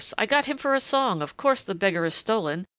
I got him for a song of course the beggar is stolen.